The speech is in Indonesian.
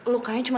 luka nyun crema